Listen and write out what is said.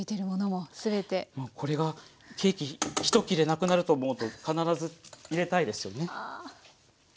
もうこれがケーキ１切れなくなると思うと必ず入れたいですよね。